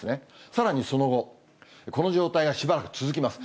さらにその後、この状態がしばらく続きます。